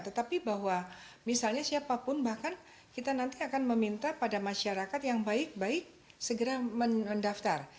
tetapi bahwa misalnya siapapun bahkan kita nanti akan meminta pada masyarakat yang baik baik segera mendaftar